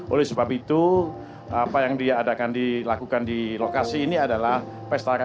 oleh sebab itu apa yang dia akan dilakukan di lokasi ini adalah untuk memperoleh masyarakat